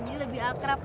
jadi lebih akrab